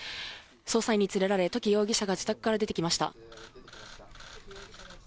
捜査員に連れられ、土岐容疑者が自宅から出てきました。